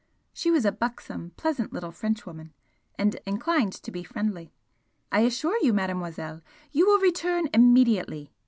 She was a buxom, pleasant little Frenchwoman, and inclined to be friendly. "I assure you, Mademoiselle, you will return immediately!"